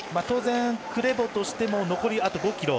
当然、クレボとしても残りあと５ｋｍ。